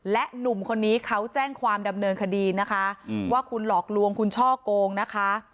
และหนุ่มคนนี้เขาแจ้งความดำเนินคดีนะคะว่าคุณหลอกลวงคุณช่อโกงนะคะ